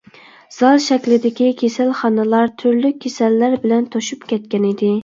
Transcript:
زال شەكلىدىكى كېسەلخانىلار تۈرلۈك كېسەللەر بىلەن توشۇپ كەتكەنىدى.